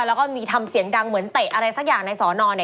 แล้วก็มีทำเสียงดังเหมือนเตะอะไรสักอย่างในสอนอนเนี่ย